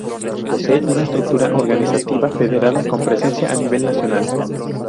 Posee una estructura organizativa federada, con presencia a nivel nacional.